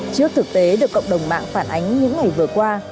trước thực tế được cộng đồng mạng phản ánh những ngày vừa qua